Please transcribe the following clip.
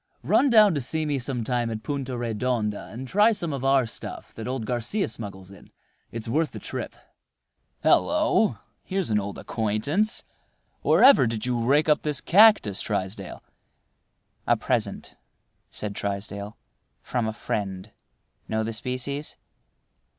Run down to see me some time at Punta Redonda, and try some of our stuff that old Garcia smuggles in. It's worth the trip. Hallo! here's an old acquaintance. Wherever did you rake up this cactus, Trysdale?" "A present," said Trysdale, "from a friend. Know the species?"